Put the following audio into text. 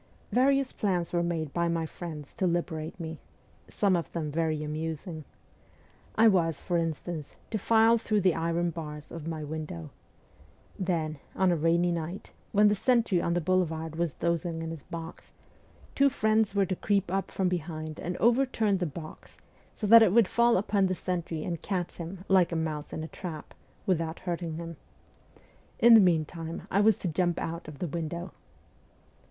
Various plans were made by my friends to liberate me some of them very amusing. I was, for instance, to file through the iron bars of my window. Then, on a rainy night, when the sentry on the boulevard was dozing in his box, two friends were to creep up from THE ESCAPE 167 behind and overturn the box, so that it would fall upon the sentry and catch him like a mouse in a trap, with out hurting him. In the meantime, I was to jump out of the window.